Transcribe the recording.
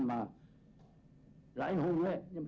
lại hùng lệ